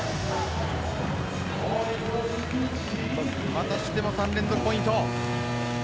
またしても３連続ポイント。